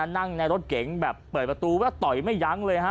นั่งในรถเก๋งแบบเปิดประตูแล้วต่อยไม่ยั้งเลยฮะ